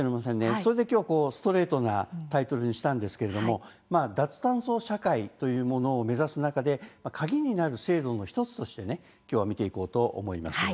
それできょうはストレートなタイトルにしたんですけれども脱炭素社会を目指す中で鍵になる制度の１つとして見ていこうと思います。